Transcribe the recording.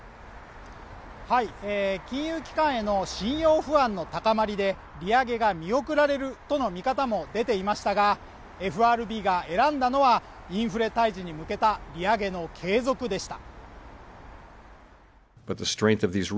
金融機関への信用不安の高まりで利上げが見送られるとの見方も出ていましたがＦＲＢが選んだのは、インフレ退治に向けた利上げの継続でした。